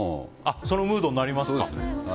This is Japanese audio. そのムードになりますか。